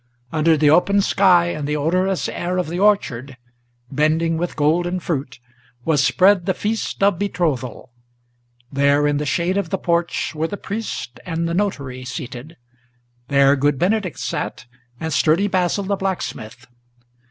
Under the open sky, in the odorous air of the orchard, Bending with golden fruit, was spread the feast of betrothal. There in the shade of the porch were the priest and the notary seated; There good Benedict sat, and sturdy Basil the blacksmith.